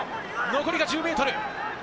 残り１０ｍ。